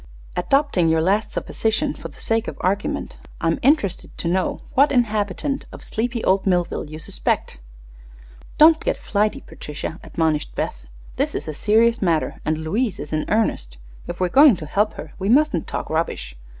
Adopting your last supposition, for the sake of argument, I'm interested to know what inhabitant of sleepy old Millville you suspect." "Don't get flighty, Patricia," admonished Beth. "This is a serious matter, and Louise is in earnest. If we're going to help her we mustn't talk rubbish.